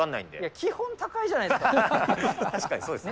基本高いじゃないですか。